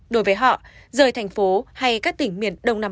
đối với họ rời thành phố hay các tỉnh miền đông nam á